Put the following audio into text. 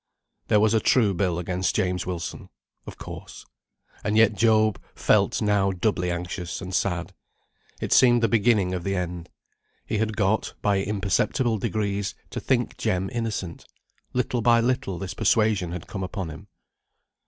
There was a true bill against James Wilson. Of course. And yet Job felt now doubly anxious and sad. It seemed the beginning of the end. He had got, by imperceptible degrees, to think Jem innocent. Little by little this persuasion had come upon him.